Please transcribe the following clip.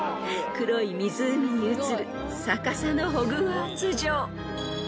［黒い湖に映る逆さのホグワーツ城］